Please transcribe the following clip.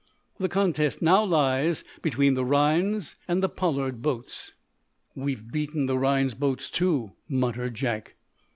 The contest now lies between the Rhinds and the Pollard boats." "We've beaten the Rhinds boats, too," muttered Jack.